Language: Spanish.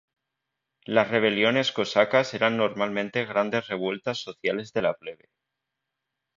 Las rebeliones cosacas eran normalmente grandes revueltas sociales de la plebe.